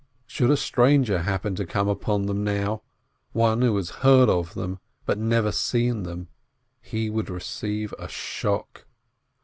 Should a stranger happen to come upon them now, one who has heard of them, but never seen them, he would receive a shock.